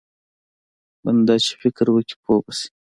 بنده چې فکر وکړي پوه به شي.